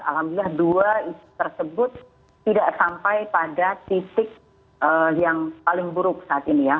alhamdulillah dua isu tersebut tidak sampai pada titik yang paling buruk saat ini ya